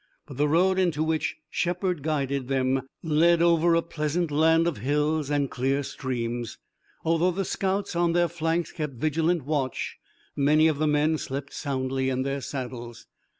But the road into which Shepard guided them led over a pleasant land of hills and clear streams. Although the scouts on their flanks kept vigilant watch, many of the men slept soundly in their saddles.